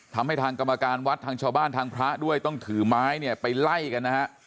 ทำให้ทางกรรมการวัดทางชาวบ้านทางพระด้วยต้องถือไม้เนี่ยไปไล่กันนะฮะ